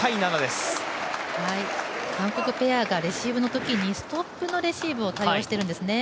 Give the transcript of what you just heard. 韓国ペアがレシーブの時にストップのレシーブを多用しているんですね。